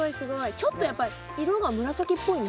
ちょっとやっぱり色が紫っぽいね。